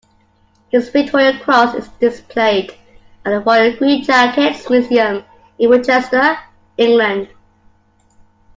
His Victoria Cross is displayed at the Royal Green Jackets Museum in Winchester, England.